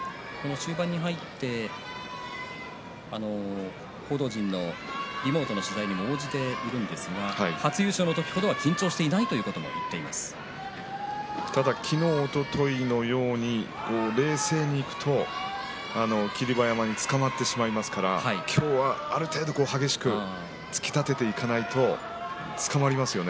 中盤に入って報道陣のリモートの取材にも応じているんですが初優勝の時程は昨日おとといのように冷静にいくと霧馬山につかまってしまいますから今日はある程度激しく突き立てていかないとつかまりますよね。